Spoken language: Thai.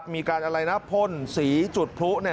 มีการอะไรนะพ่นสีจุดพลุ